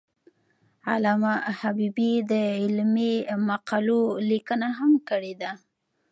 علامه حبیبي د علمي مقالو لیکنه هم کړې ده.